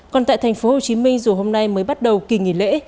còn tại thành phố hồ chí minh dù hôm nay mới bắt đầu kỳ nghỉ lễ